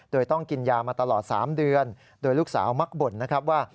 โดยต้องกินยามาตลอด๓เดือนโดยลูกสาวมักบ่นนะครับว่า